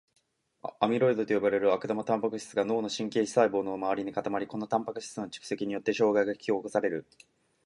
アミロイドと呼ばれる悪玉タンパク質が脳の神経細胞の周りに固まり、このタンパク質の蓄積によって障害が引き起こされる。